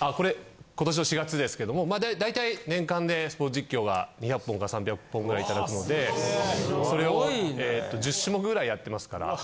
これ今年の４月ですけども大体年間でスポーツ実況が２００本から３００本ぐらいいただくのでそれを１０種目ぐらいやってますから。